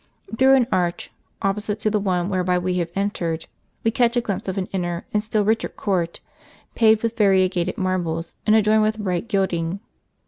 Through an arch, opposite to the one whereby we have entered, we catch a glimpse of an inner and still richer court, paved with variegated marbles, and adorned with bright gilding.